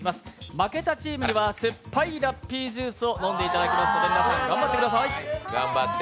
負けたチームはに酸っぱいラッピージュースを飲んでいただきますので、皆さん頑張ってください。